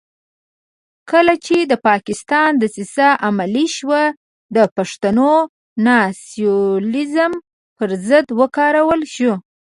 کله چې د پاکستان دسیسه عملي شوه د پښتون ناسیونالېزم پر ضد وکارول شو.